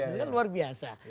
itu kan luar biasa